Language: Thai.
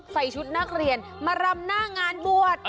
ใส่ชุดนักเรียนมารำหน้างานบวช